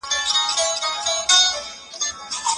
دا ستونزه په ډېر لنډ وخت کې حل کېدلی شي.